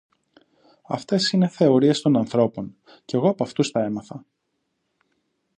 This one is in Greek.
Αυτές είναι θεωρίες των ανθρώπων, κι εγώ απ' αυτούς τα έμαθα.